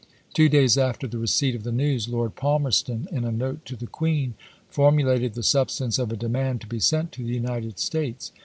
Two days after the receipt of the news Lord Palmerston, in a note to the Queen, formulated the substance of a demand to be sent to the United States.